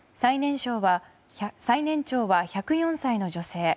最年長は１０４歳の女性。